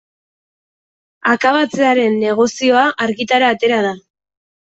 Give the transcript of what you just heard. Akabatzearen negozioa argitara atera da.